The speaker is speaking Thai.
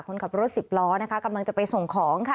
คนขับรถสิบล้อนะคะกำลังจะไปส่งของค่ะ